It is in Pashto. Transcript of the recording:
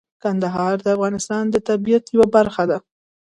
کندهار د افغانستان د طبیعت یوه برخه ده.